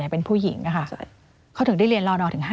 เป็นผู้หญิงค่ะเขาถึงได้เรียนนรด